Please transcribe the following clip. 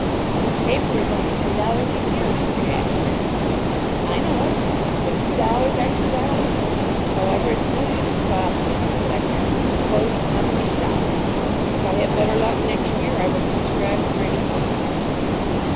"But the paper is only two dollars a year, Mr. Ashburn." "I know. But two dollars are two dollars. However, it's no use to talk, Mr. Collector; the 'Post' must be stopped. If I have better luck next year, I will subscribe for it again."